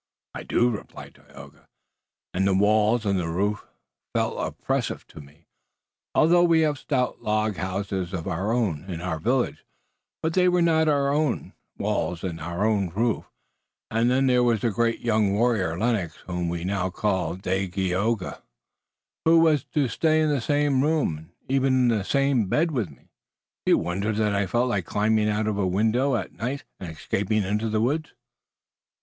"I do," replied Tayoga, "and the walls and the roof felt oppressive to me, although we have stout log houses of our own in our villages. But they were not our own walls and our own roof, and there was the great young warrior, Lennox, whom we now call Dagaeoga, who was to stay in the same room and even in the same bed with me. Do you wonder that I felt like climbing out of a window at night, and escaping into the woods?"